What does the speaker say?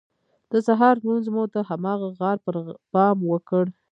د سهار لمونځ مو د هماغه غار پر بام وکړ.